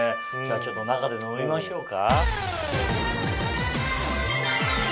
ちょっと中で飲みましょうか。